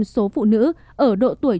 số phụ nữ ở độ tuổi